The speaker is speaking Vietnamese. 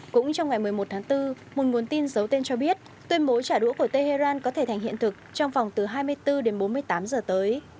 cũng trong ngày một mươi một tháng bốn một nguồn tin giấu tên cho biết tuyên bố trả đũa của tehran có thể thành hiện thực trong vòng từ hai mươi bốn đến bốn mươi tám giờ tới